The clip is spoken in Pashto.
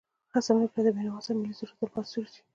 هڅه مې وکړه چې د بېنوا صاحب ملي سرود تل پاتې سرود شي.